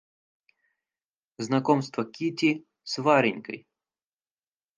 Знакомство Кити с Варенькой.